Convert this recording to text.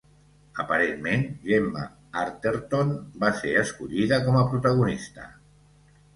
Aparentment, Gemma Arterton va ser escollida com a protagonista.